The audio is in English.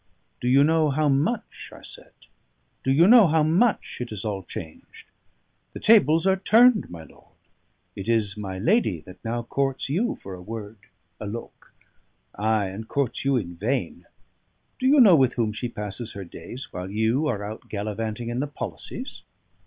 "Do you know how much?" I said. "Do you know how much it is all changed? The tables are turned, my lord! It is my lady that now courts you for a word, a look ay, and courts you in vain. Do you know with whom she passes her days while you are out gallivanting in the policies?